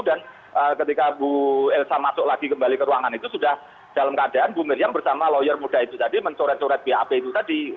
ketika bu elsa masuk lagi kembali ke ruangan itu sudah dalam keadaan bu miriam bersama lawyer muda itu tadi mencoret coret bap itu tadi